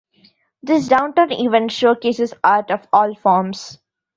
This downtown event showcases art of all forms.